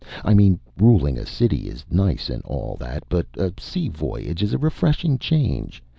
I mean ruling a city is nice and all that, but a sea voyage is a refreshing change.